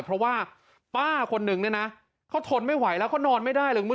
เพราะว่าป้าคนนึงเขาทนไม่ไหวแล้วนอนไม่ได้